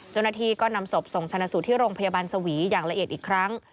เจ้าหน้าที่ก็นำศพส่งชนะสูตรที่โรงพยาบาลสวีอย่างละเอียดอีกครั้ง